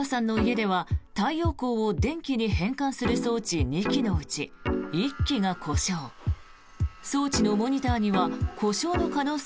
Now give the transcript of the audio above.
黒川さんの家では太陽光を電気に変換する装置２基のうち１基が故障。